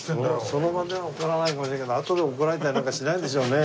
その場では怒らないかもしれないけどあとで怒られたりなんかしないでしょうね？